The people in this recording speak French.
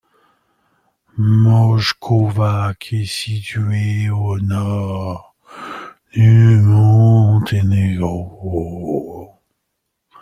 Mojkovac est située au nord du Monténégro.